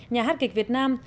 nhà hát kịch việt nam